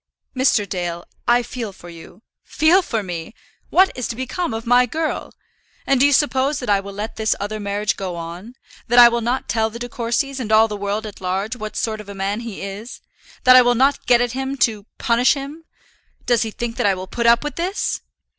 "Mr. Dale, I feel for you " "Feel for me! What is to become of my girl? And do you suppose that I will let this other marriage go on; that I will not tell the De Courcys, and all the world at large, what sort of a man this is; that I will not get at him to punish him? Does he think that I will put up with this?"